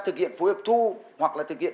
thực hiện phối hợp thu hoặc là thực hiện